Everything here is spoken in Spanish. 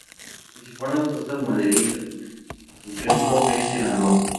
Participó en las fuerzas maderistas hasta su triunfó en Sinaloa.